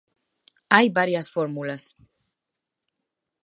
Hai varias fórmulas.